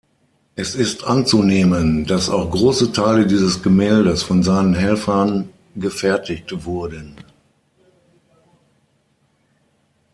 Es ist anzunehmen, dass auch große Teile dieses Gemäldes von seinen Helfern gefertigt wurden.